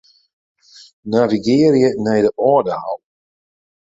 Navigearje nei de Aldehou.